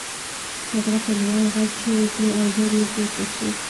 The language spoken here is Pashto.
هغه په لوړ غږ چیغې کړې او ژر پورته شو